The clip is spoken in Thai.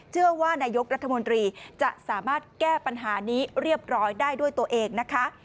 เชื่อว่านายกรัฐมนตรีจะสามารถแก้ปัญหานี้เรียบร้อยได้ด้วยตัวเองนะคะ